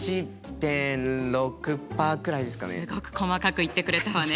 すごく細かく言ってくれたわね。